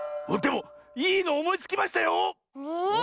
でもいいのおもいつきましたよ！え。